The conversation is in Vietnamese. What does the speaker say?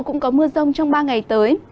cũng có mưa rông trong ba ngày tới